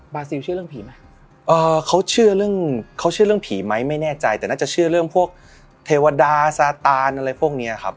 ซิลเชื่อเรื่องผีไหมเขาเชื่อเรื่องเขาเชื่อเรื่องผีไหมไม่แน่ใจแต่น่าจะเชื่อเรื่องพวกเทวดาซาตานอะไรพวกเนี้ยครับ